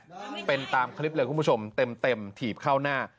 ฟ้องเอาเท่านั้นแหละเป็นตามคลิปเหลือคุณผู้ชมเต็มถีบเข้าหน้า